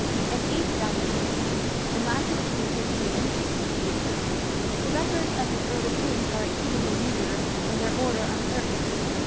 An Eighth Dynasty ensued, and lasted between fifty and sixty years. The records of its early kings are exceedingly meagre and their order uncertain.